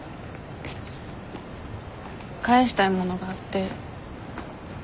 返したいものがあって。